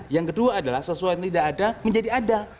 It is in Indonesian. yang kedua adalah sesuatu yang tidak ada menjadi ada